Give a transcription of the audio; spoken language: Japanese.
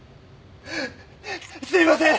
すいません！